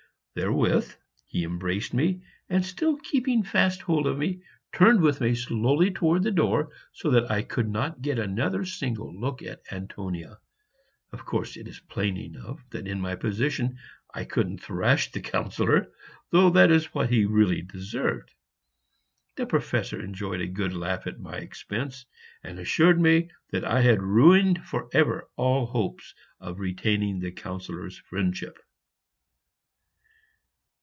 Therewith he embraced me, and, still keeping fast hold of me, turned with me slowly towards the door, so that I could not get another single look at Antonia. Of course it is plain enough that in my position I couldn't thrash the Councillor, though that is what he really deserved. The Professor enjoyed a good laugh at my expense, and assured me that I had ruined for ever all hopes of retaining the Councillor's friendship.